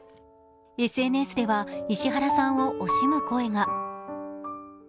ＳＮＳでは、石原さんを惜しむ声が。